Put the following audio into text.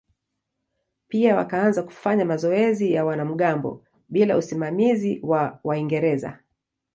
Pia wakaanza kufanya mazoezi ya wanamgambo bila usimamizi wa Waingereza.